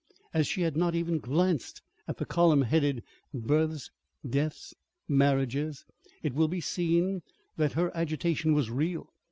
As she had not even glanced at the column headed "Births, Deaths, Marriages," it will be seen that her agitation was real.